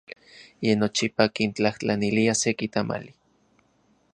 Ye nochipa kintlajtlanilia seki tamali.